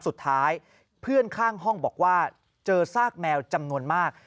สุดท้ายเพื่อนข้างห้องบอกว่าเจอซากแมวจำนวนมาก